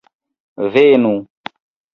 Venu!